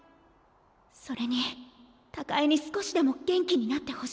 それに貴恵に少しでも元気になってほしい。